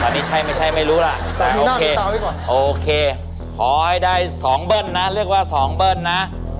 อันนี้ใช่ไม่ใช่ไม่รู้ล่ะแต่โอเคโอเคขอให้ได้๒เบิ้ลนะเรียกว่า๒เบิ้ลนะ